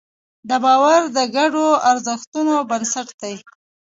دا باور د ګډو ارزښتونو بنسټ دی.